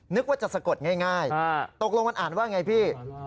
นึกว่าจะสะกดง่ายตกลงมันอ่านว่าไงพี่